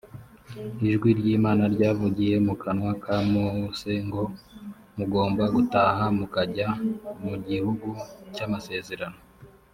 ijwi ry’imana ryavugiye mu kanwa ka mose ngo: mugomba gutaha mu kajya mu gihugu cya masezerano